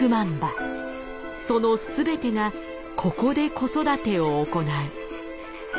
その全てがここで子育てを行う。